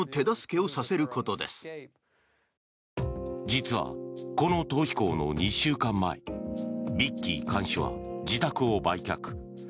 実はこの逃避行の２週間前ビッキー看守は自宅を売却。